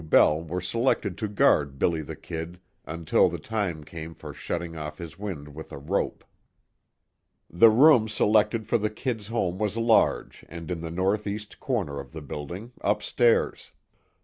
Bell were selected to guard "Billy the Kid" until the time came for shutting off his wind with a rope. The room selected for the "Kid's" home was large, and in the northeast corner of the building, upstairs.